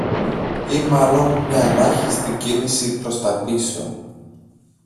Ή μάλλον μια ελάχιστη κίνηση προς τα πίσω